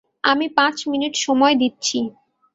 আমি পাঁচ মিনিট সময় দিচ্ছি।